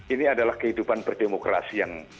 ini adalah kehidupan berdemokrasi yang